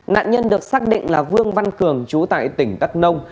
nạn nhân được xác định là vương văn cường chú tại tỉnh đắk nông